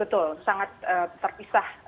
betul sangat terpisah